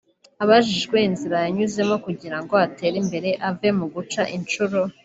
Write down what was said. Abajijwe inzira yanyuzemo kugirango atere imbere ave mu guca incuro